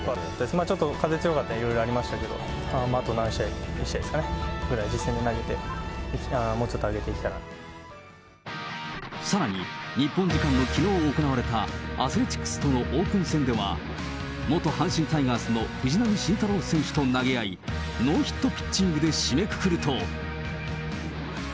まあちょっと、風強かったり、いろいろありましたけど、あと何試合、１試合ですかね、実戦で投げて、もうちょっさらに、日本時間のきのう行われたアスレチックスとのオープン戦では、元阪神タイガースの藤浪晋太郎選手と投げ合い、ノーヒットピッチングで締めくくると。